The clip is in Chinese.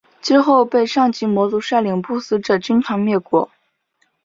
之后被上级魔族率领不死者军团灭国。